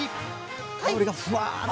香りがふわっと。